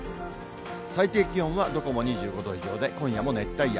最低気温はどこも２５度以上で、今夜も熱帯夜。